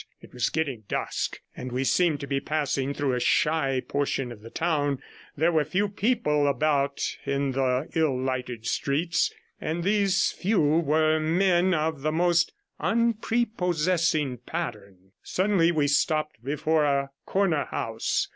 It was getting dusk, and we seemed to be passing through a shy portion of the town; there were few people about in the ill lighted streets, and these few were men of the most unprepossessing pattern. Suddenly we stopped before a corner house.